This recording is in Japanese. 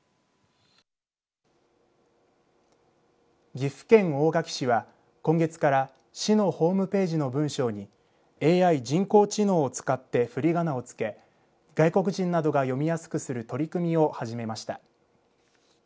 岐阜県大垣市は今月から市のホームページの文章にＡＩ、人工知能を使ってふりがなをつけ外国人などが読みやすくする取り組みを始めました。